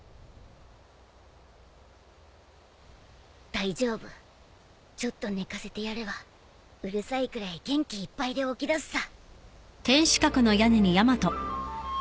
大丈夫ちょっと寝かせてやればうるさいくらい元気いっぱいで起きだすさ。